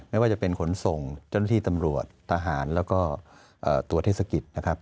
ไม่ว่าจะเป็นขนส่งเจ้าหน้าที่ตำรวจทหารแล้วก็ตัวเทศกิจนะครับ